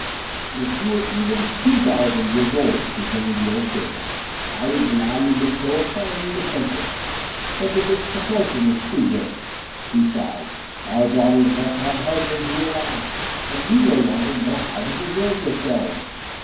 "If you were even two thousand years old," continued the old king, "I would gladly bestow upon you the Princess; but the disproportion is too great; besides, our daughters must have husbands who will last, and you no longer know how to preserve yourselves.